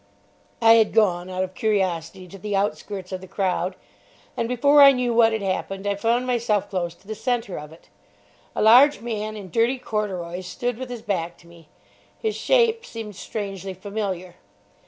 I had gone, out of curiosity, to the outskirts of the crowd, and before I knew what had happened I found myself close to the centre of it. A large man in dirty corduroys stood with his back to me. His shape seemed strangely familiar.